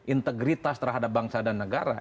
integritas terhadap bangsa dan negara